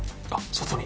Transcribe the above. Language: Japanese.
外に。